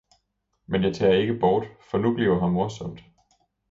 Men jeg tager ikke bort, for nu bliver her morsomt.